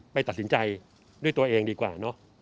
ไปตัดสินใจด้วยตัวเองดีกว่าเนอะ